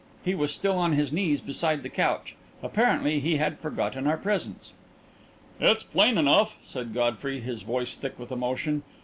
He was still on his knees beside the couch. Apparently he had forgotten our presence. "It's plain enough," said Godfrey, his voice thick with emotion.